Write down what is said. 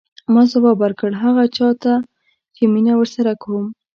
ما ځواب ورکړ هغه چا ته چې مینه ورسره کوم.